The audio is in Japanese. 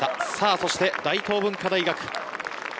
そして大東文化大学。